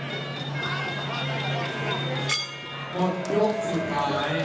ยกสุดท้าย